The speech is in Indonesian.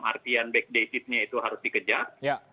kebijakan backdaisy nya itu harus dikejar